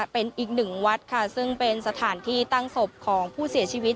เป็นอีกหนึ่งวัดค่ะซึ่งเป็นสถานที่ตั้งศพของผู้เสียชีวิต